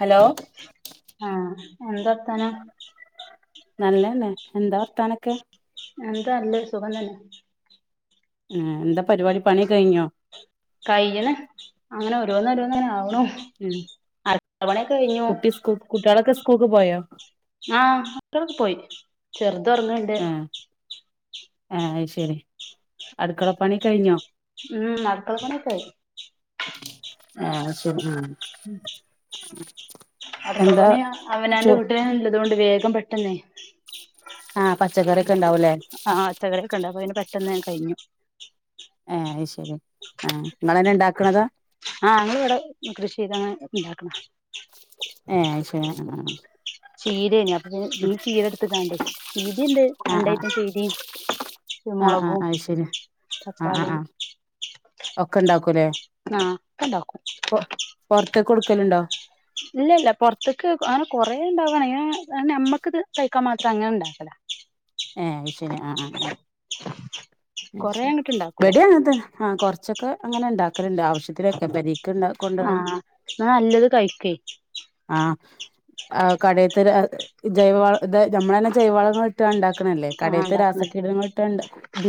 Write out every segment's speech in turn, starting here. Hello ആ എന്താർത്താനം? നല്ലന്നെ എന്താ വർത്താനെക്കെ? എന്താ നല്ലേ സുഖം തന്നെ ആ എന്താ പരിവാടി പണി ഒക്ക കഴിഞ്ഞോ? കയ്യ്ണ് അങ്ങനെ ഓരോന്നോരന്നാങ്ങനെ ആവ് ഹും ഉം അട്ക്കളപണിയൊക്കെ കഴിഞ്ഞു. കൂൾക്ക് പോയോ? ആ മക്കളക്ക പോയി. ചെർ ഒർങ്ങിണ്ട്. ആ ആ അയ് ശെരി അടുക്കളപ്പണി കഴിഞ്ഞോ? ഉം അട്ക്കളപ്പണിയെക്കയിഞ്ഞ്. [unintelligible] അട്ക്കള എന്താ പണിയ അവനാന്റെ ചോ വീട്ടിലെന്നെ ഇല്ലതോണ്ട് വേ ഗം പെട്ടെന്നേ ആ പച്ചക്കറിയൊക്കെ ഉണ്ടാവൂലേ ആ ച്ചക്കറിക്കെണ്ട് അപ്പ പിന്നെ പെട്ടെന്ന് വേം കഴിഞ്ഞു. ഏ അയ് ശെരി ആ നിങ്ങളന്നെ ഇണ്ടാക്കണതാ ആ ങ്ങളിവ്ടെ കൃഷി ചെയ്താണ് ഇണ്ടാക്ക്ണെ. ഏ അയ് ശെ അങ്ങനെ ചീരെനി അപ്പ് [unintelligible] ഈ ചീരെട്ത്ത്ക്കാണ്ട് ചീരെണ്ട് ആ ആ രണ്ടയിറ്റംചീരേം ആ ആ മൊളകും ആ ശരി ആ ആ ആ തക്കാളീം ഒക്കെ ഉണ്ടാക്കൂല്ലേ ആ ഒക്ക ഇണ്ടാക്കും. ക്കല്ണ്ടോ? ഇല്ലല്ല പൊർത്ത്ക്ക് അങ്ങനെ കൊറേ ഇണ്ടാവാണെ ഏ കാരണ നമ്മക്ക് ത് കഴിക്കാൻ മാത്ര അങ്ങനെ ഇണ്ടാക്കല. ഏ അയ് ശരി ആഹ് ആഹ് കൊറേ അങ്ങട്ട് ഇണ്ടാക്കൂല ഇവിടേം അങ്ങനെത്തന്നെ ആ കൊറച്ചൊക്കെ അങ്ങനെ ഇണ്ടാക്കും [inaudible] ആവശ്യത്തിന് എടുത്താൽ പോരെ കൊണ്ട [unintelligible] ആഹ് ന്നാ നല്ലത് കഴിക്കേ ആ ആ കടയിത്ത് ജൈവ വ ഇത് ഞമ്മളന്നെ ജൈവളങ്ങളിട്ടാ ഇണ്ടാ - ആ ഇണ്ടാക്കണ്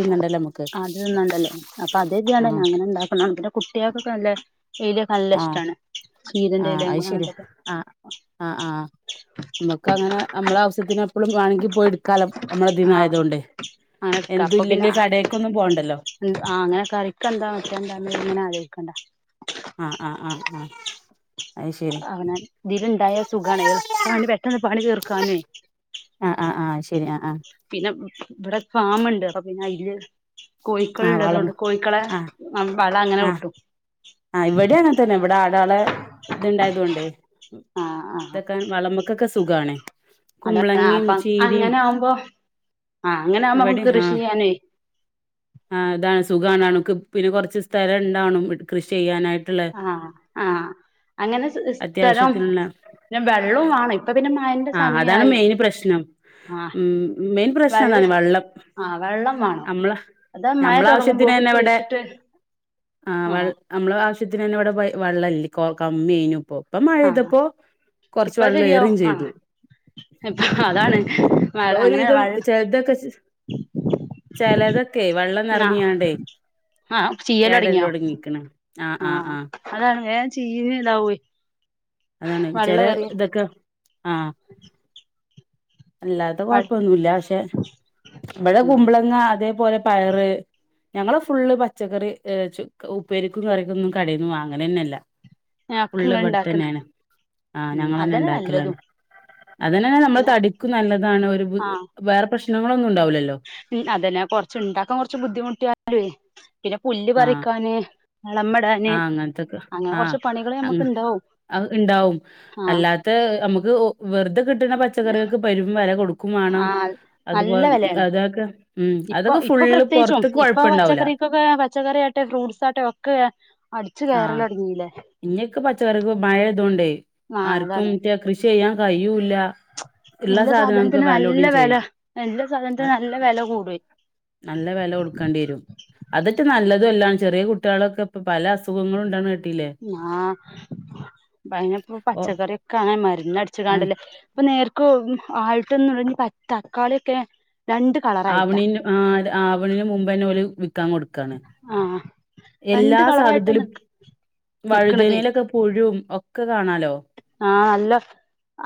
ഇത്ന്നണ്ടല്ലോ നമുക്ക് അത് നല്ല അല്ലേ അപ്പൊ അത് തന്നെയാണ് ആഹ് അങ്ങനെ ഇണ്ടാക്കണം പിന്നെ കുട്ടികൾക്ക് ഒക്കെ നല്ലതല്ലേ കുട്ടികൾക്കൊക്കെല്ലേ ചീരയൊക്കെ നല്ല ഇഷ്ടമാണ് ആ അയ്ശെരിയ ആഹ് ആഹ് അമ്മക്ക് അങ്ങനെ നമ്മളെ ആവശ്യത്തി പ്പോളും വേണെങ്കിപോയി എടുക്കാലോ നമ്മളെ ആ ഇതിന്നായതുകൊണ്ട് അങ്ങനെ എടുക്കാം എന്തും അപ്പൊ പിന്നെ ഇല്ലെങ്കിൽ കടേക്കൊന്നും പോണ്ടല്ലോ ആ അങ്ങനെ കറിക്ക് എന്താ വെക്കണ്ടത് ഇങ്ങനെ ആലോചിക്കുവാ ക്കണ്ട ആഹ് ആഹ് ആഹ് ആഹ് അത് ശരി അവന ഇതിലുണ്ടായ സുഖാണ് പണി പെട്ടെന്ന് പണി തീർക്കാനേ ആഹ് ആഹ് ആഹ് ശരി ആഹ് ആഹ് പിന്നെ ഇവിടെ ഫാമുണ്ട് അപ്പ പിന്നെ അതില് കോഴികൾ ആഹ് വളമ ഉള്ളതുകൊണ്ട് കോഴിക്കളെ ആഹ് ന വള അങ്ങനെ കിട്ടും ഇവിടെ അങ്ങന തന്നെ ഇവിടെ ഇത്ണ്ടായത കൊണ്ട് ആ ആ ഇതൊക്കാൻ വളമക്കൊക്കെ സുഖണ അത അപ്പ അങ്ങനെ ആവുമ്പോ ആ അങ്ങനെ ആവുമ്പോ നമക്ക് ഇവിടേം കൃഷി ചെയ്യാന സുഖണ് അനക്ക് പിന്നെ കുറച്ച് സ്ഥലണ്ടാവണം കൃഷി ചെയ്യാനായി ആ ആ അങ്ങനെ സ്ഥലം അത്യാവശ്യത്തിനുള്ള പിന്നെ വെള്ളവും വാണം ഇപ്പ പിന്നെ മഴറ്റെ ആഹ് അതാണ് സമയായി മെയിൻ പ്രശ്നം ആ ഉം മെയിൻ പ്രശ്നം വെള്ള അതാണ് വെള്ളം ആ വെള്ളം വേണം നമ്മള അതാ മഴ നമ്മള ആവശ്യത്തിന് തൊടങ്ങുമ്പോക്കി തന്നെ ഇവിടെ കുഴിച്ചിട്ട് ആഹ് ആ വെ ആ നമ്മളെ ആവശ്യത്തിന് തന്നെ ഇവിടെ വെള്ളൈല്ല കമ്മയിനും ഇപ്പോ പ്പം ആ മഴെയ്തപ്പോ കൊർച്ച് ഇപ്പൊ വള്ളേ ശരിയാവും റിയും ആ ചെയ്തു. ഇപ്പ അതാണ് പ്പ അങ്ങനെ ഒരുവിധം വെള്ള ചെൽതൊക്കെ ചെലതൊക്കെ വെള്ളം ആ നെറഞ്ഞിയാണ്ടേ ആ ചീയല് തുടങ്ങിയോ കേടെർലൊട്ങ്ങീക്ക്ണ് ആ അതാണ് വേം ചീഞ് താവേ അതാണ് ചെല തൊക്കെ ആഹ് അല്ലാത്ത കൊഴപ്പൊന്നുല്ല പക്ഷെ ഇവിടെ ഉം കുമ്പളങ്ങ അതേപോലെ പയറ് ഞങ്ങള് ഫുള്ള് പച്ചക്കറി ഉപ്പേരിക്കും കറിക്കും ഒന്നും കടേന്ന് വാങ്ങലന്നെ അല്ല [unintelligible] ആഹ് ഉം ഞങ്ങൾ തന്നെ അതന്നെ ഇണ്ടാക്കലാണ് നല്ലതും അതന്നെ നമ്മൾ പിന്നെ തടിക്കും നല്ലതാണ് ഒരു ബു ആഹ് വേറെ പ്രശ്നങ്ങള അതന്നെ കുറച്ച് ഇണ്ടാക്കാൻ കുറച്ച് ബുദ്ധിമുട്ടിയാലുവേ ആഹ് വളമിടാന് ആഹ് അങ്ങനത്തക്കെ അങ്ങനെ കൊറച്ച് പണികള് ഞമ്മക്ക് ഇണ്ടാവും ആഹ് ഇണ്ടാവും ആഹ് അല്ലാത്ത നമുക്ക് വെറുതെ കിട്ടുന്ന പച്ചക്കറികൾക്ക് പെരും വില കൊടു ക്കും വേണം ആഹ് അത്പോ നല്ല വെലേണ് അതൊക്കെ ഉം ഇപ്പൊ അതൊക്കെ ഇപ്പൊ ഫുള്ള് പൊറത്ത്ക്ക് കൊഴപ്പം ഇണ്ടാവൂല്ല ച്ചക്കറി ആയിട്ടെ ഫ്രൂട്ട്സ് ആയിട്ടെ ഒക്കെ അടിച്ചു ആഹ് കയറലൊടങ്ങീല്ലേ ഇനിയൊക്കെ പച്ചക്കറിക്ക് മഴ ആയതോണ്ടേ ആഹ് ആർക്കും അതാണ് റ്റ കൃഷ് ചെയ്യാൻ കഴിയൂ ഇല്ല സാധനത്തിന് നല്ല വിലകൂടും വെല ചെയ്യും എല്ലാം സാധനത്തിന് അത് നല്ല വെല കുടുവേ നല്ല വെല കൊടുക്കേണ്ടി വരും അതിട്ട് ന നല്ലതുംഅല്ല ചെറിയ കുട്ടികളൊക്കെ ഇപ്പ പല അസുഖങ്ങളും ഉണ്ടന്ന് കേ ആ പ്പയ്നപ്പം ഓ പച്ചക്കറിയൊക്കെ അങ്ങനെ മരന്ന് ആഹ് അടിച്ചുക്കാണ്ടല്ലേ ഇപ്പൊ നേർ ക്കും ആയിട്ടൊന്നുല്ല തക്കാളിയൊക്കെ രണ്ട് കളറായിട്ടാ ആവിണിന് ആ ആവണിന് മുമ്പെന്നോല് ക്കാൻ കൊടുക്കാണ് ആഹ് എല്ലാ രണ്ട് കളറായിട്ടാ സാധത്തിലും നി നിക്കണതേ വഴുതനയിലൊക്കെ പുഴും ഒക്ക് ആഹ് നല്ലൊ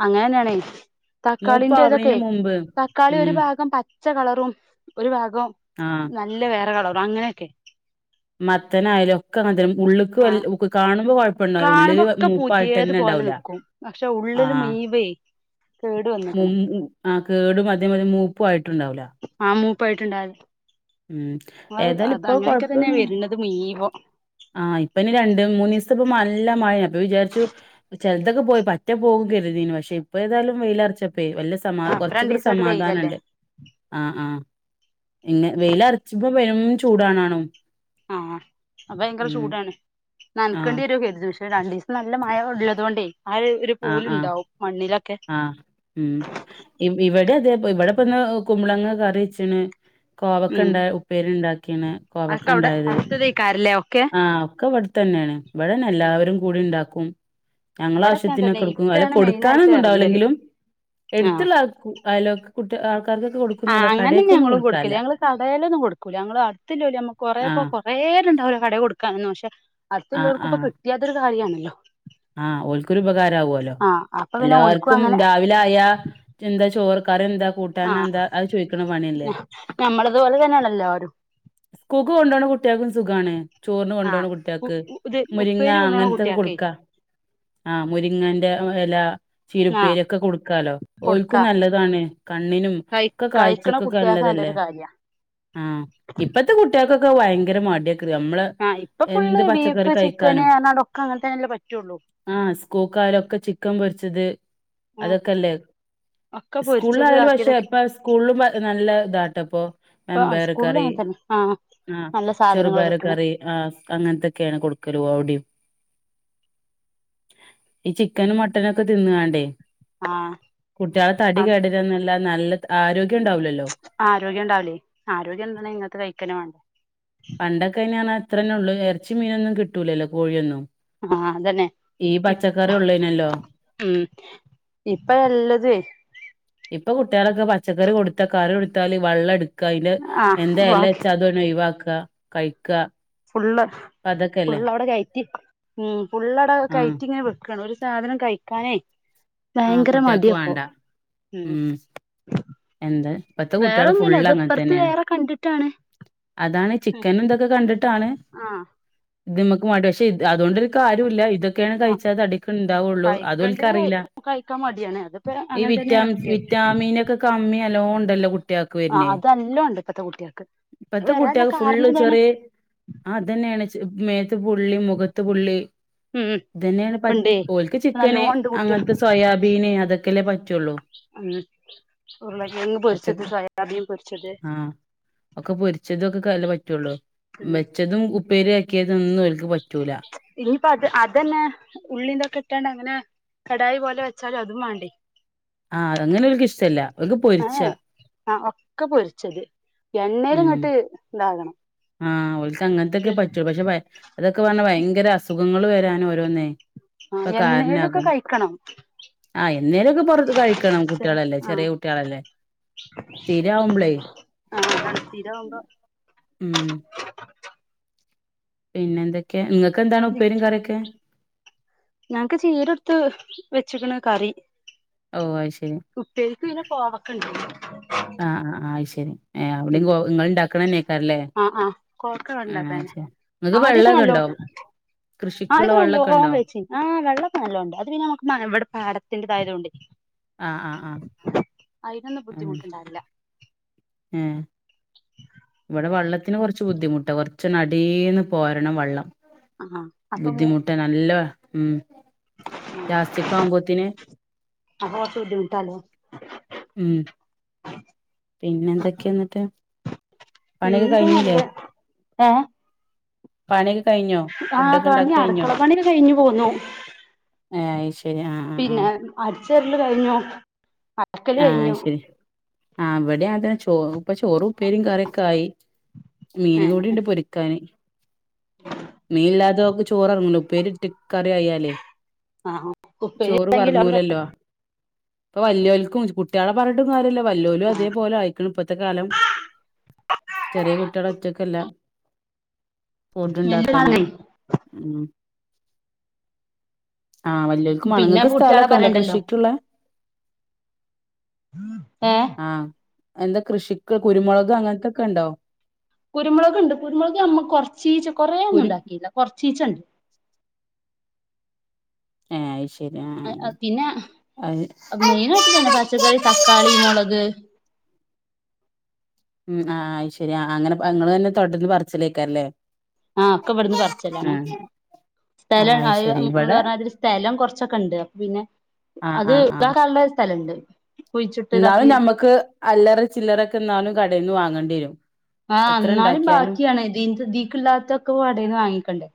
അങ്ങനെന്നെയണേ തക്കാളിന്റയ്തൊക്കെ മൂപ്പാവണീന് മുമ്പ് തക്കാളി ഒരു ഉം ഭാഗം പ പച്ച കളറും ഒരു ഭാഗ് ഇപ്പം ആഹ് നല്ല വേറെ കളറ് പ്പൊ അങ്ങനെക്കെ മത്തനായാലും ഒക്കെ അങ്ങനതന്നെ ഉള്ള്ക്ക് വൽ ആഹ് ഉക് കാണുമ്പോ കൊഴ പ്പണ്ടാവൂല ഉള്ളില് കാണുമ്പൊക്കെ പുതിയത് മൂപ്പായിട്ടന്നെ പോലെ ണ്ടാവൂല നിക്കും പക്ഷെ ആ ഉള്ളില് മുഴുവേ കേട് വന്ന്ക്ക്ണ് മുൻ അ കേടും അതേമാതിരി മൂപ്പും ആയി ട്ടുണ്ടാവും ല്ല മൂപ്പായിട്ട്ണ്ടായത് ഉം ഏതാലും ഇപ്പൊ അത് തന്നെ കൊഴപ്പന്ന് വരുന്നത് മുഴുവൻ ആഹ് ഇപ്പനി രണ്ടും മൂന്നീസപ്പം നല്ല മയ അപ്പൊ വിചാരിച്ചു ചെലതൊക്കെ പോയി പറ്റെ പോകും കരുതീനി പക്ഷെ ഇപ്പ ഏതായും വെയിലറച്ച പ്പെ വെല്യസമാ ആഹ് ഇപ്പ കോർചൊക്കൊരു രണ്ടീസായിട്ട് വെയിലല്ലേ സമാധാനണ്ട് ആഹ് ആഹ് എങ്ങ് വെയിലറുച്ചുമ്പം പെരും ചൂടാണാണും ആഹ് അപ്പ ഭയങ്കര ഉം ചൂടാണ് ആ നൻകെണ്ടേരോ കെര്തി പക്ഷേ രണ്ടീസം നല്ല മഴ ള്ളതോണ്ടേ ആഹ് ര് രു പൂവിലുണ്ടാവും മണ്ണിലൊക്കെ ആഹ് ഉം ഇവിടെ അതെ പോ ഇവിടെപ്പന്ന് നോ--ക്ക് കുമ്പളങ്ങ കറിച്ച്ണ് കോവക്ക ഉം ണ്ട് ഉപ്പേരി ണ്ടാക്കീണ് കോവക്ക അതൊക്കെ അവിടെ ണ്ടായത് അടുത്തതേക്കാരല്ലേ ഒക്കെ ആഹ ഒക്കെ വെട്‌തന്നെയാണ് ഇവിടന്നെ എല്ലാവരും കൂടി ഉണ്ടാക്കും ഞങ്ങള ഇവിടൊക്കെ തന്നെ ആവശ്യത്തിനൊക്കെ ഇട്‌ക്കും അല്ല ഇപ്പഴാണ് മെയിനായിട്ട് എറങ്ങല് കൊടുക്കാനൊന്നുണ്ടാവൂലെങ്കിലും എടുത്തുള്ള അൾ അയലൊക്കെ കുട്ട്യാ ആ അങ്ങനെന്നെ ഞങ്ങളും കൊട്ക്കല് ഞങ്ങള് കടേലൊന്നും കൊടുക്കൂല്ല ഞങ്ങൾ അടുത്തില്ല [unintelligible] കൊറെപ്പോ ആഹ് കൊറേരുണ്ടാവണെ അഹ് കൊട് ക്കാനു ഷേ [inaudible] ആഹ് അടുത്തുള്ളോൽക്കുപ്പൊ ആഹ് കിട്ട്യാതൊരു കാര്യാണ്. ല്ല ആഹ് ഓൽക്കൊരുപകാരാവൂല്ലോ അപ്പൊ പിന്നെ ഓൽക്കും എല്ലാർക്കും അങ്ങനെ രാവിലായാ ചിന്ത ചോർ കറിഎന്ത ആഹ് കൂട്ടാനെന്താ അത് ചോയ്ക്കണ പണ്യല്ലേ. ഞമ്മളതുപോലെ തന്നെയാണല്ലോ എല്ലാരും സ്കൂൾക്ക് കൊണ്ടോണ കുട്ട്യാക്കും സുഖാണ് ചോറിന് കൊണ്ടോണ ആഹ് കുട്ട്യാക്ക് ഇത് മുരിങ്ങ ഉപ്പേരി കൊണ്ടോണ അങ്ങൻത്ത ത് കുട്ട്യാക്കേ കൊടുക്കാ ആഹ് മുരിങ്ങന്റെ ഇല ആഹ് ചീരുപ്പേരിയൊക്കെ കൊടുക്കാലോ ഓൽക്കും കൊടുക്കാ നല്ലതാണ് കണ്ണിനും കഴി ഒക്കെ കഴിക്കണ കാഴ്ചക്കൊക്കെ കുട്ടികൾക്ക് നല്ലതല്ലേ നല്ലൊരു കാര്യ ആഹ് ഇപ്പത്തെ കുട്ട്യാക്കൊ വയങ്കര മട്യ ആ ഇപ്പൊ ഫുള്ള് ബീഫ് കഴിക്കാനും ചിക്കന്ഏതാണ്ട ഒക്കെ അങ്ങൻത്തെന്നല്ലേ പറ്റുള്ളൂ ആ സ്കൂൾക്കായാലൊക്കെ ചിക്കൻ പൊരിച്ചത് ആഹ് അതൊക്കെല്ലേ ഒക്കെ പൊരിച്ചത് സ്കൂളിലായാല് പക്ഷെ ആക്കിയതൊക്കെ ഇപ്പ സ്കൂളിലും നല്ല താണ് എതപ്പോ ഇപ്പൊ വൻപയർ സ്കൂളിലും കറി അങ്ങനെ തന്നെ ആഹ് ആ നല്ല സാധനങ്ങൾ ചെറുപയർ കിട്ടണ കറി ആ അങ്ങനത്തൊക്കെയാണ് കൊടുക്കണത് അവിടെയും ഈ ചിക്കനും മട്ടനൊക്ക തിന്നാണ്ടെ. ആഹ് അ കേടരുന്നല്ല നല്ല ആരോഗ്യം ഉണ്ടാവൂലല്ലോ ആരോഗ്യം ഉണ്ടാവൂലേ ആരോഗ്യംണ്ടണെ ഇങ്ങനത്തെ ത്തെ കഴിക്കെന്നെ വാ പണ്ടൊക്കെഞാൻ അത്രേ ഉള്ളൂ ഇറച്ചിം മീനൊന്നും കിട്ടൂല്ലോ കോഴിയൊന്നും ആഹ് അതന്നെ ഈ ഇ പച്ചക്കറി ഉള്ളേനല്ലോ ഉം ഇപ്പ ഇപ്പൊ കുട്ട്യാളൊക്കെ പച്ചക്കറി കൊടുത്ത കറി കൊടുത്താൽ വള്ള ട് ക്ക അയ്ന്റെ ആഹ് എന്താ ബാക്കി എലെച്ചാ അത് ഒഴിവാക്ക- കഴിക്ക അതൊക്കെല്ലേ ഫുള്ളവടെ കയറ്റി ഉം ഫുള്ളടെ ആഹ് കയറ്റി ങ്ങനെ വെക്കാണ് ഒരു സാധനം കയ് ക്കാനെ ആഹ് ഭയങ്കര കുട്ടികൾക്ക് മട്യപ്പോ വേണ്ട ഉം എന്ത് ഇപ്പത്തെ കുട്ട്യാള് വേറൊന്നുല്ല ഫുള്ള് അത് ഇപ്പറത്ത് അങ്ങൻതന്നെണ് വേറെ കണ്ടിട്ടാണ് അതാണ് ചിക്കനും തൊക്കെ കണ്ടി താണ് ആഹ് ഇത് മ്മക്ക് മാണ്ടി പക്ഷെ ഇത് അതോണ്ടൊരു കാര്യോല്ല ഇത ക്കേണ് ആഹ് കഴിച്ചാ തടിക്ക് ഇണ്ടാവൊള്ളൂ കഴിക്കേണ്ടത് കഴി അതോൽലിക്കറില കഴിക്കാൻ മടിയാണ് അതിപ്പോ ഈ അങ്ങനെ വിറ്റാ തന്നെയാണ് കുട്ടികൾക്ക് വിറ്റാമിനൊക്കെ അമ്മി അലോ ഉണ്ടല്ലോ കു കുട്യേക്ക ആഹ് വര്ണ് അതല്ലോ ഉണ്ട് ഇപ്പത്തെ കുട്ടികൾക്ക് അത് ഇപ്പത്തെ വരാനുള്ള കുട്ടികള് ഫുള്ള് കാരണം ഇതാണ് ചെറിയ ആതെന്നേണ് [unintelligible] മേത് ത്ത് പുള്ളി മുഖത്ത് പുള്ളി ഉം ഇതന്നേണ് പറ്റ് ഉണ്ടേ ഓൽക്ക് ചിക്കന് നല്ലോണ്ട് കുട്ടികൾ അങ്ങനത്തെ സോയാബീന് അതൊക്കെല്ലേ പറ്റുള്ളൂ ഉം ഉരുളക്കിഴങ്ങ് പൊരിച്ചത് പച്ചക്ക് സോയാബീൻ പൊരിച്ചത് ആ ഒക്കെ പൊരിച്ചതൊക്കെ കല്ലെ പറ്റുള്ളൂ ഉം വെച്ചതും ഉപ്പേരിയാക്കിയ ഇതൊന്നും ഓൽക്ക് പറ്റൂല അപ്പ അത് അതന്നെ ഉള്ളീന്തൊക്കെ ഇട്ടാണ്ട് അങ്ങനെ കടായി പോലെ വെച്ചാലും അതും വാണ്ടെ ആ അങ്ങനെ ഓൻക്ക്ഷ്ടല്ല്യ ആ ആ ഓ ഒക്കെ പൊരിച്ചത് എണ്ണേല് ഉം ഇങ്ങട്ട് ഇതാകണം ആ ഓൽക്ക് അങ്ങനത്തക്കെ പറ്റൂ പക്ഷെ ഭയ അതൊക്കെ പറഞാ ഭയ ങ്കര അസുഖങ്ങള് വരാൻ ഓരോന്നേ ആ ഇപ്പൊ എന്നേലുംക്കെ കാരണാകും കഴിക്കണം ആഹ് എന്നേലൊക്കെ പുറത്ത് കഴിക്കണം ആഹ് കുട്ടികളല്ലേ ചെറിയ കുട്ടികളല്ലേ സ്ഥിരാവുമ്പളേ ആഹ് ഇതാവുമ്പോ ഉം പിന്നെ എന്തൊക്കെയ ഇങ്ങ ക്കെ എന്താണ് ഉപ്പേരിം കറ്യെക്കെ ഞങ്ങക്ക് ചീരെട്ത്ത് വെച്ച്ക്ക്ണ് കറി ഓ അയ് ശരി ഉപ്പേരിക്ക് പിന്നെ കോവക്കണ്ട് ആ ആ അയ് ശരി ഏ അവിടിം ഉം കോ ഇങ്ങള്ണ്ടാക്ക്ണെയ്ക്കാരല്ലേ ആഹ് ആഹ് കോവക്ക ആ ഉണ്ടാക്കാന് ശരി ഇങ്ങക്ക് ആദ്യൊക്കെ വെള്ളൊക്കെ നല്ലോ ഇണ്ടോ കൃഷിക്ക്ള്ള വെള്ളൊക്കെ ഇണ്ടോ ആ വെള്ളാക്കെ നല്ലോംണ്ട് അത് പിന്നെ നമുക്ക് ഇവിടെ പാടത്തിന്റെ തായതോണ്ടെ ആഹ് ആഹ് ആഹ് അയിനൊന്നും ഉം ബുദ്ധിമുട്ടുണ്ടാവില്ല ഏഹ് ഇച്ചൊന്ന് അടീന്ന് കോരണം വള്ളം ആഹ് അപ്പൊ മു ബുദ്ധിമുട്ടാ നല്ല ഉം ലാസ്റ്റ് ക്ക് ആവുമ്പോത്തിന് ആഹ് ബുദ്ധിമുട്ടല്ലേ ഉം പിന്നെ എന്തൊക്കെയ എന്നിട്ട് പണിയൊക്കെ പിന്നെ കഴിഞ്ഞില്ലേ നല്ല ഏ പണിയൊക്കെ കഴിഞ്ഞോ ആഹ് ഫുഡൊക്കെ പണി ഉണ്ടാക്കി കഴിഞ്ഞോ അടുക്കളഓകെ പണി കഴിഞ്ഞു പോന്നു ഏഹ് അത് ശരി ആഹ് ആഹ് പിന്നെ [unintelligible] കഴിഞ്ഞോ ആ ശരി ആ അവിടെ അതെ ചോറു പക്ഷെ ചോറു ഉപ്പേരി കറിയൊക്കെ ആയി മീനും കൂടി ഏഹ് ഉണ്ട് പൊരിക്കാന് മീൻല്ലാതോക്ക് ചോറൂഇറങ്ങുല്ലോ പേരിടട്ട് കറിയയാലേ ആഹ് ഉപ്പേരി എന്തെകിലും ആ എറങ്ങൂലല്ലോ ഇപ്പൊ വലിയോൽ കും കുട്ടികളെ പറഞ്ഞിട്ടും കാര്യല്ലോ വല്ലോലും അതേപോലെ ആയിക്കണം ഇപ്പത്തെ കാലം ചെറിയ കുട്ടികള ഒച്ചക്കല്ല ഫുഡുണ്ടാക്കാന് മം ആഹ് വല്ലിയോൽക്കും വേണം പിന്നെ ഇങ്ങൾക് സ്ഥലം കുട്ട്യാളെ ഒക്കെ ഉണ്ടോ പറയണ്ടല്ലോ കൃഷിക്കുള്ളേ ഏഹ് എന്താ കൃഷിക്ക് കുരുമുളക് അങ്ങനത്തൊക്കെ ഉണ്ടോ കുരുമുളക് ഉണ്ട് കുരുമുളക് നമ്മ കൊറച്ചീച്ച കൊറേ ഒന്നും കുരു ഉണ്ടാക്കിയില്ല ച്ചിച്ചണ്ണ്ട് ഏഹ് ശേ ആ ആഹ് പിന്നെ മെയിന ആയിട്ടന്നെ പച്ചക്കറി തക്കാളി മൊളക് ആഹ ശരിയാ അങ്ങനെ ഇങ്ങൾ തന്നെ തൊട്ടത്തില് പറിച്ചലേക്കാറല്ലേ ആ ഒക്കെ ഇവിട്ന്ന് പറിച്ചലാണ്. അഹ് അയ്ശരി ഇങ്ങള് ഇവടെ പറഞ്ഞാതിരി സ്ഥലം കൊറച്ചൊക്കെ ഉണ്ട്. അപ്പം പിന്നെ സ്ഥലം അത് ഇതാക്കാലെ സ്ഥലം ഉണ്ട്. ഇന്നാലും നമ്മുക്ക് അല്ലറ ചില്ലറൊക്കെ ഇന്നാലും കടെന്ന് വാങ്ങിക്കേണ്ടി വരും ആഹ് എത്ര എന്നാലും ഉണ്ടാക്കിയാലും ബാക്കിയാണ്. ഇതിന് ഇതിക്ക്ള്ള ഇതൊക്കെ കാടെന്ന് വാങ്ങിക്കണ്ടേ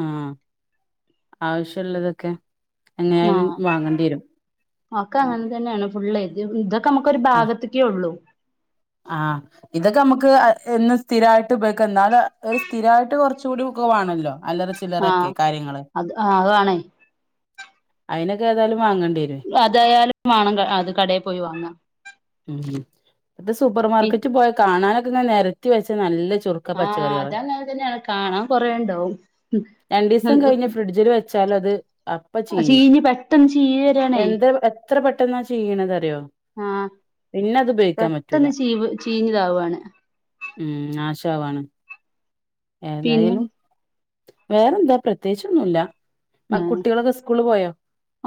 ആഹ് ആവശ്യള്ളതൊക്കെ ആ എങ്ങനയാലും വാങ്ങേണ്ടി വരും ഒക്കെ അങ്ങനെ തന്നെയാണ് ഫുള്ള് ഇദോ- നമക്കൊ ഒരു ഭാഗത്തേക്കേ ഉള്ളൂ ആഹ ഇതൊക്കെ നമുക്ക് എന്നും സ്ഥിരായിട്ട് ഉപയോഗിക്കാം എന്നാലും ഒരു സ്ഥിരായിട്ട് കുറച്ചോടെ ഒക്കെ വേണമല്ലോ ആഹ് അത് അതണേ അതിനൊക്കെ ഏതാലും വങ്ങേടെ അതായാലും വേണം അത് കടയിൽ പോയി വാങ്ങ ഉ ഇത് സൂപ്പർ മാർക്കറ്റ് പോയ കാണാൻ ഇങ്ങനെ നെരത്തി വെച്ച നല്ല ചു സുർക്ക ആ പച്ചക്കറികള്, അതങ്ങനെ തന്നെയാണ് കാണാൻ കൊറേ ഉണ്ടാവും [inaudible] രണ്ടീസം കഴിഞ്ഞ് ഫ്രിഡ്ജില് വെച്ചാലത് പച്ചക്കറികൾ ചീഞ്ഞ് പെട്ടെന്ന് ചീഞ്ഞ് വരാണേ രണ്ട് ദിവസം കഴിഞ്ഞ് ഫ്രിഡ്ജിൽ വെച്ചാലത് അപ്പം ചീയും. എന്തൊരു പെട്ടന്നാ ചീയുന്നത് അറിയോ ആ പിന്നെ അത് ഉപയോഗിക്കാൻ പറ്റൂല പെട്ടെന്ന് ചീവ് ചീഞ്ഞതാവാണ്. പോവാണ്. ഏതായാലും- വേറെന്താ പ്രത്യേകിച്ചുന്നുല്ല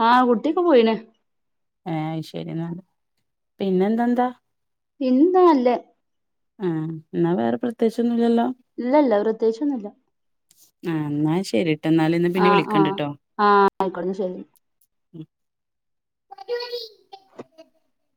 ആ കുട്ടിയൊക്കെ പോയിന് ഏ ശരി എന്ന പിന്നെന്ന ന്താ പിന്നന്താ നല്ലേ ആ എന്നാ വേറെ പ്രത്യകിച്ചോന്നുംല്ലല്ലോ ഇല്ല ഇല്ല പ്രത്യേകിച്ചൊന്നുല്ല ആ എന്നാ ശരി ആ ആ ആ ആയിക്കോട്ടെ ശരി [unintelligible]